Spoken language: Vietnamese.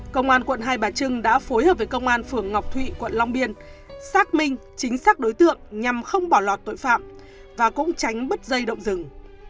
công an quận hai bà trưng đã phối hợp với công an phường ngọc thụy quận long biên xác minh chính xác đối tượng nhằm không bỏ lọt tội phạm và cũng tránh bứt dây động rừng